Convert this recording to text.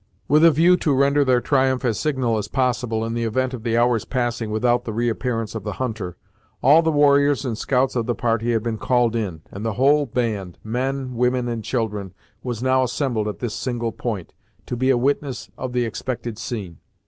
With a view to render their triumph as signal as possible, in the event of the hour's passing without the reappearance of the hunter, all the warriors and scouts of the party had been called in, and the whole band, men, women and children, was now assembled at this single point, to be a witness of the expected scene.